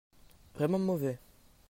Vraiment mauvais.